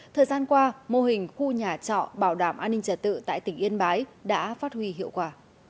thời gian qua mô hình khu nhà trọ bảo đảm an ninh trả tự tại tỉnh yên bái đã phát huy hiệu quả